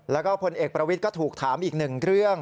แล้วก็พลเอกประวิทย์ก็ถูกถามอีกหนึ่งเรื่อง